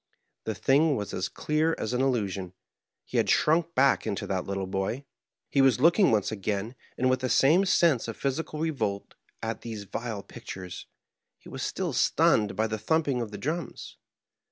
The thing was as clear as an illusion ; he had shrunk back into that little boy ; he was looking once again, and with the same sense of physical revolt at these vile pictures ; he was still stunned by the thumping of the drums.